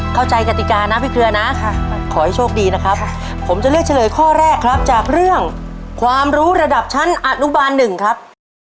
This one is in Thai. กติกานะพี่เครือนะขอให้โชคดีนะครับผมจะเลือกเฉลยข้อแรกครับจากเรื่องความรู้ระดับชั้นอนุบาลหนึ่งครับ